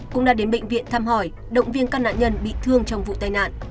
cũng đã đến bệnh viện thăm hỏi động viên các nạn nhân bị thương trong vụ tai nạn